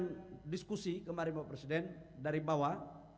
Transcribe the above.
dan diskuisi kemarin bapak presiden dari bawah